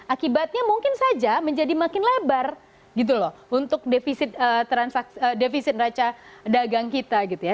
akibatnya mungkin saja menjadi makin lebar gitu loh untuk defisit neraca dagang kita gitu ya